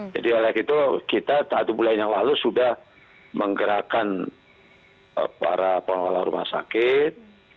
jadi oleh itu kita satu bulan yang lalu sudah menggerakkan para pengelola rumah sakit